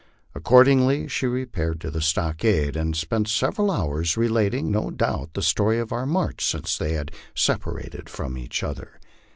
Accordingly she re paired to the stockade, and spent several hours, relating, no doubt, the story of our march since they had separated from each other.